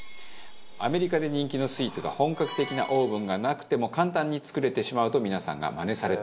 アメリカで人気のスイーツが本格的なオーブンがなくても簡単に作れてしまうと皆さんがマネされたようです。